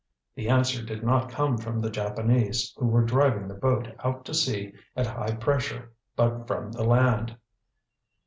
The answer did not come from the Japanese, who were driving the boat out to sea at high pressure but from the land.